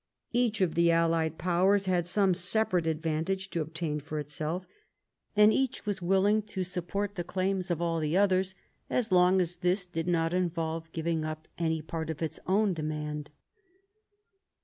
Each of the allied powers had some separate advantage to obtain for itself, and each was willing to support the claims of all the others as long as this did not involve giving up any part of its own demand.